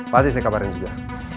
pasti saya kabarin juga